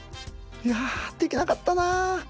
いやできなかったな。